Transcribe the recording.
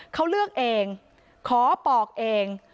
เขาเลือกเองขอปอกเอง